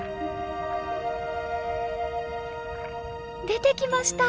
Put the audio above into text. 出てきました！